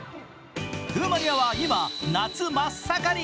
ルーマニアは今、夏真っ盛り。